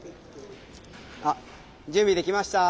準備できました。